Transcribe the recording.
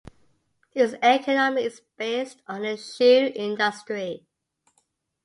Its economy is based on the shoe industry.